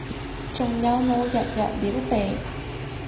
仲有冇日日撩鼻？